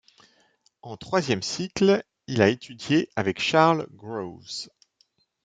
En troisième cycle, il a étudié avec Charles Groves.